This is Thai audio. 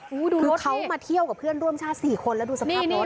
คือเขามาเที่ยวกับเพื่อนร่วมชาติ๔คนแล้วดูสภาพรถ